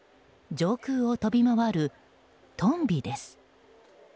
上空を飛び回るトンビです。